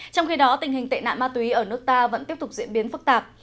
trong khi đó tình hình tệ nạn ma túy ở nước ta vẫn tiếp tục diễn biến phức tạp